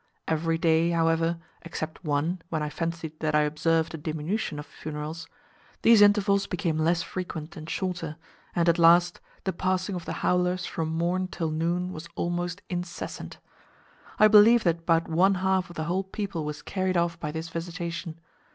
Every day, however (except one, when I fancied that I observed a diminution of funerals), these intervals became less frequent and shorter, and at last, the passing of the howlers from morn till noon was almost incessant. I believe that about one half of the whole people was carried off by this visitation.